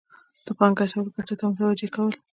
د پانګې اچولو ګټو ته متوجه کول.